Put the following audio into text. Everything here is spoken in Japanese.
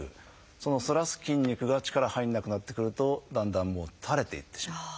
その反らす筋肉が力入らなくなってくるとだんだん垂れていってしまう。